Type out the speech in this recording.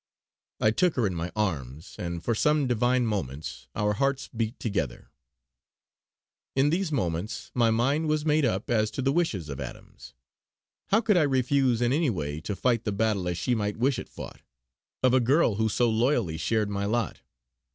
I took her in my arms, and for some divine moments, our hearts beat together. In those moments my mind was made up as to the wishes of Adams. How could I refuse in any way to fight the battle, as she might wish it fought, of a girl who so loyally shared my lot!